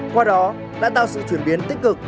qua đó đã tạo sự chuyển biến tích cực